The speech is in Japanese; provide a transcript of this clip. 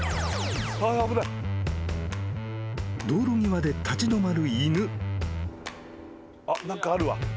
［道路際で立ち止まる犬］